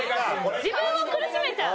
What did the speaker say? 自分を苦しめちゃう。